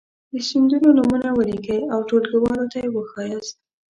د سیندونو نومونه ولیکئ او ټولګیوالو ته یې وښایاست.